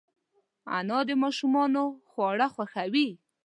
انا د ماشومانو خواړه خوښوي